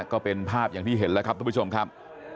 ก็เป็นภาพอย่างที่เห็นแล้วครับทุกผู้ชมครับ